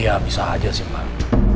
ya bisa aja sih mbak